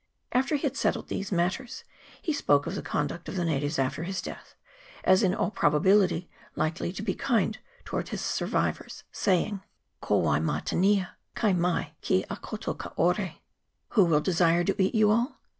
After he had settled these matters, he spoke of the conduct of the natives after his death, as in all probability likely to be kind towards his survivors, saying, " Kowai ma te nia. Kai mai ki a koutou kaore.' ' Who will desire to eat you all